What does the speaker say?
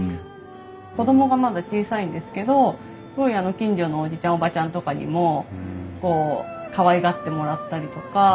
子供がまだ小さいんですけどすごい近所のおじちゃんおばちゃんとかにもこうかわいがってもらったりとか。